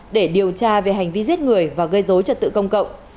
để điều tra về hành vi giết người và gây dối trật tự công cộng